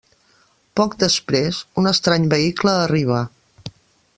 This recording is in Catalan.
Poc després, un estrany vehicle arriba.